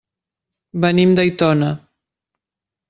Venim d'Aitona.